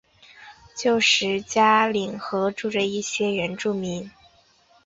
旧时加冷河住着一些原住民。